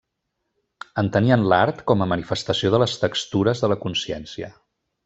Entenien l'art com a manifestació de les textures de la consciència.